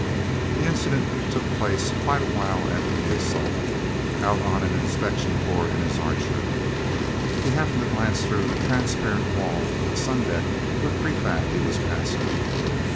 The incident took place quite a while after the assault. Out on an inspection tour in his Archer, he happened to glance through the transparent wall of the sundeck of a prefab he was passing...